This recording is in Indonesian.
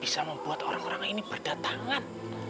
bisa membuat orang orang ini berdatangan